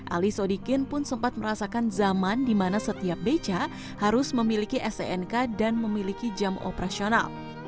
ali sodikin pun sempat merasakan zaman di mana setiap beca harus memiliki stnk dan memiliki jam operasional